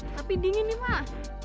tapi dingin nih pak